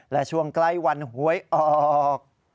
และช่วงใกล้วันหวยออก